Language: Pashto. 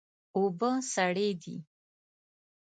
اوبه سړې دي